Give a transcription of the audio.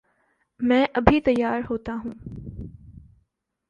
میں ابھی تیار ہو تاہوں